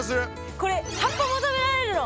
これ葉っぱも食べられるの。